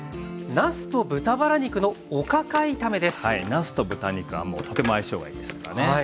なすと豚肉はもうとても相性がいいですからね。